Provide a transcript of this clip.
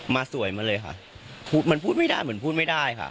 สวยมาเลยค่ะมันพูดไม่ได้เหมือนพูดไม่ได้ค่ะ